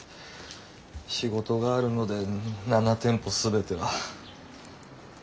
仕事があるので７店舗全ては。